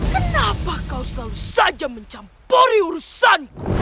kenapa kau selalu saja mencampuri urusanku